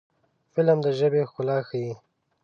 فلم د ژبې ښکلا ښيي